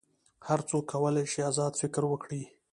هر څوک کولی شي آزاد فکر وکړي.